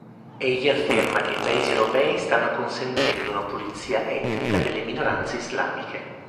Egli afferma che i Paesi europei stanno consentendo una pulizia etnica delle minoranze islamiche.